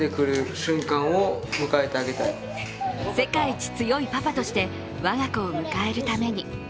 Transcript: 世界一強いパパとして我が子を迎えるために。